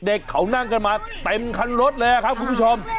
เด็กเขานั่งกันมาเต็มคันรถเลยครับคุณผู้ชม